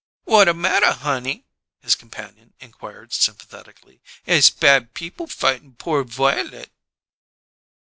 "What a matta, honey?" his companion inquired sympathetically. "Ess, bad people f'ighten poor Violet!"